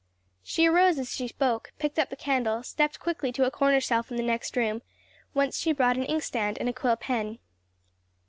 She arose as she spoke, picked up the candle, stepped quickly to a corner shelf in the next room, whence she brought an inkstand and a quill pen.